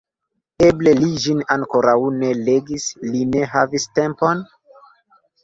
Eble li ĝin ankoraŭ ne legis, li ne havis tempon?